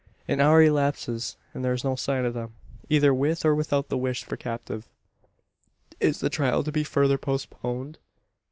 An hour elapses, and there is no sign of them either with or without the wished for captive. Is the trial to be further postponed?